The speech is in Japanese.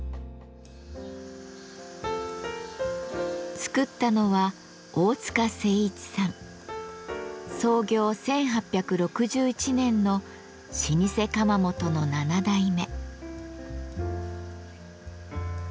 作ったのは創業１８６１年の老舗窯元の７代目。